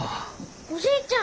おじいちゃん！